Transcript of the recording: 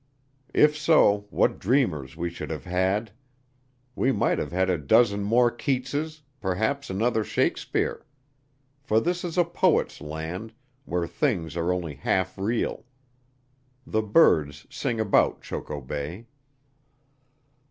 If so, what dreamers we should have had! We might have had a dozen more Keatses, perhaps another Shakespeare. For this is a poet's land, where things are only half real. The birds sing about Choco Bay.